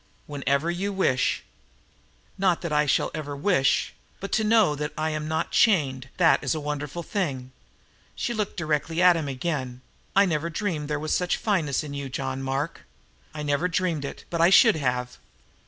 "Whenever you wish!" "Not that I ever shall wish, but to know that I am not chained, that is the wonderful thing." She looked directly at him again: "I never dreamed there was so much fineness in you, John Mark, I never dreamed it, but I should have!"